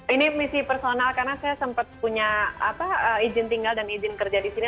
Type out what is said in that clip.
ini misi personal karena saya sempat punya izin tinggal dan izin kerja di sini